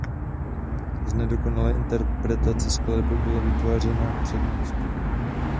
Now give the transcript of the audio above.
Z nedokonalé interpretace skladeb byla vytvářena přednost.